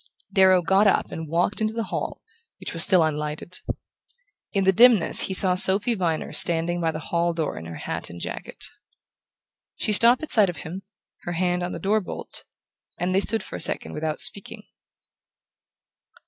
Darrow got up and walked into the hall, which was still unlighted. In the dimness he saw Sophy Viner standing by the hall door in her hat and jacket. She stopped at sight of him, her hand on the door bolt, and they stood for a second without speaking.